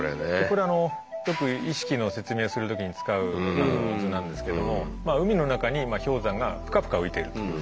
これよく意識の説明する時に使う図なんですけども海の中に氷山がプカプカ浮いてると。